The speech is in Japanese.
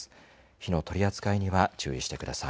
火の取り扱いには注意してください。